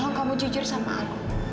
oh kamu jujur sama aku